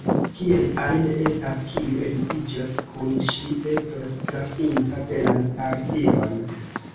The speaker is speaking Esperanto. Kiel ajn estas, kiu edziĝos kun ŝi, estos trafinta belan partion.